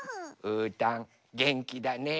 うーたんげんきだね。